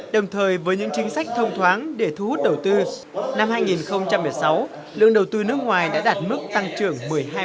đồng thời với những chính sách thông thoáng để thu hút đầu tư năm hai nghìn một mươi sáu lương đầu tư nước ngoài đã đạt mức tăng trưởng một mươi hai